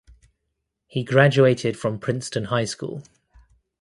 He graduated from Princeton High School.